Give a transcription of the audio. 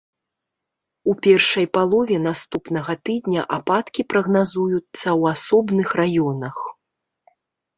У першай палове наступнага тыдня ападкі прагназуюцца ў асобных раёнах.